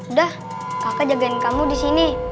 udah kakak jagain kamu disini